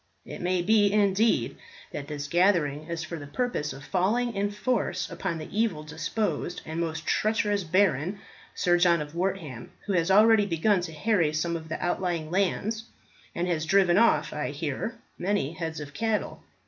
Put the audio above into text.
It may be, indeed, that this gathering is for the purpose of falling in force upon that evil disposed and most treacherous baron, Sir John of Wortham, who has already begun to harry some of the outlying lands, and has driven off, I hear, many heads of cattle.